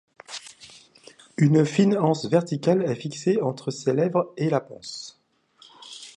Une fine anse verticale est fixée entre ces lèvres et la panse.